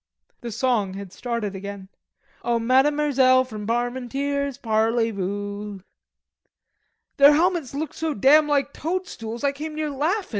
" The song had started again: "O Mademerselle from Armenteers, Parley voo? "Their helmets looked so damn like toadstools I came near laughin'.